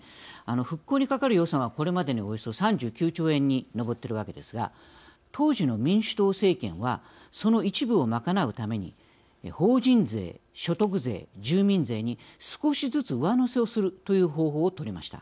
復興にかかる予算はこれまでにおよそ３９兆円に上っているわけですが当時の民主党政権はその一部を賄うために法人税所得税住民税に少しずつ上乗せをするという方法をとりました。